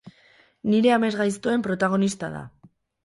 Nire amesgaiztoen protagonista da.